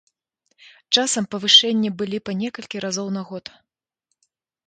Часам павышэнні былі па некалькі разоў на год.